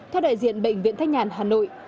theo đại diện bệnh viện thanh nhàn hà nội